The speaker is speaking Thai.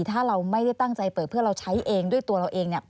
ถ้าเราไม่ได้ตั้งใจเปิดเพื่อเราใช้เองด้วยตัวเราเอง